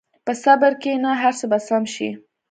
په صبر کښېنه، هر څه به سم شي.